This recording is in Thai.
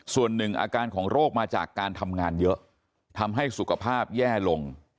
ส่วนหนึ่งอาการของโรคมาจากการทำงานเยอะทำให้สุขภาพแย่ลง